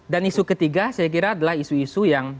dan isu ketiga saya kira adalah isu isu yang